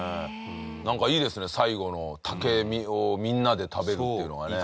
なんかいいですね最後の竹をみんなで食べるっていうのがね。